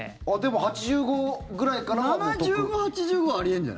でも８５ぐらいからは得。